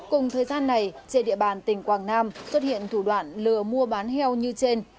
cùng thời gian này trên địa bàn tỉnh quảng nam xuất hiện thủ đoạn lừa mua bán heo như trên